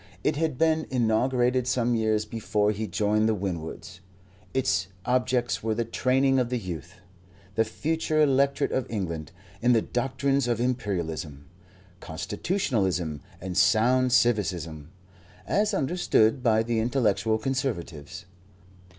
It had been inaugurated some years before he joined the Winwoods. Its objects were the training of the youth, the future electorate of England, in the doctrines of Imperialism, Constitutionalism and sound civicism, as understood by the intellectual Conservatives.